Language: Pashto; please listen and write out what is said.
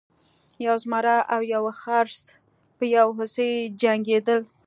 یو زمری او یو خرس په یو هوسۍ جنګیدل.